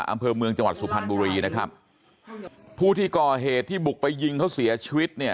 อำเภอเมืองจังหวัดสุพรรณบุรีนะครับผู้ที่ก่อเหตุที่บุกไปยิงเขาเสียชีวิตเนี่ย